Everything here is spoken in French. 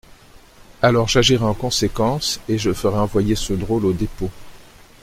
Alors j'agirai en conséquence et je ferai envoyer ce drôle au dépôt.